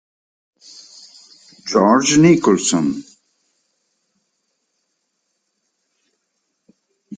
George Nicholson